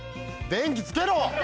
電気つけろ！